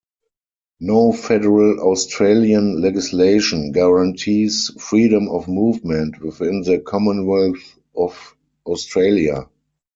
No federal Australian legislation guarantees freedom of movement within the Commonwealth of Australia.